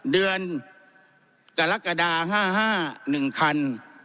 เดือนกรกฎา๕๕๑คัน